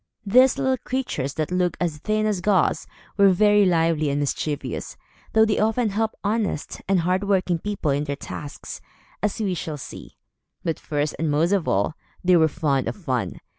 These little creatures, that looked as thin as gauze, were very lively and mischievous, though they often helped honest and hard working people in their tasks, as we shall see. But first and most of all, they were fond of fun.